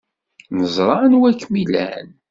Neẓra anwa ay kem-ilan.